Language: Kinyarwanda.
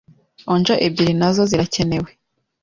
onja ebyiri nazo zirakenewe